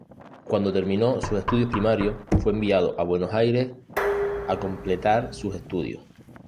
Cuando terminó sus estudios primarios, fue enviado a Buenos Aires a completar sus estudios.